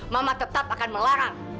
mama tetap akan melarang